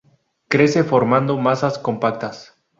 Crece formando masas compactas.